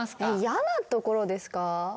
嫌なところですか？